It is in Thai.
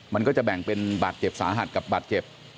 มันก็จะแบ่งเป็นบาดเจ็บสาหัสกับบาดเจ็บ